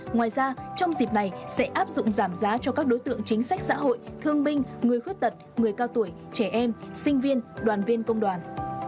ngoài ra trong dịp này sẽ áp dụng giảm giá cho các đối tượng chính sách xã hội thương binh người khuyết tật người cao tuổi trẻ em sinh viên đoàn viên công đoàn